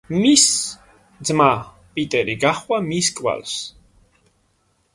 მის ძმა, პიტერი გაჰყვა მის კვალს.